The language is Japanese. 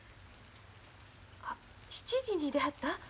７時に出はった？